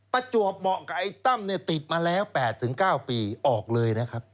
ประจวบเหมาะกับไอ้ตั้มเนี่ยติดมาแล้ว๘๙ปีออกเลยนะครับ